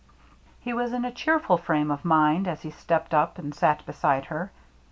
He was in a cheerful frame of mind as he stepped up and sat beside her.